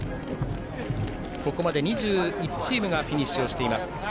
ここまで２１チームがフィニッシュしています。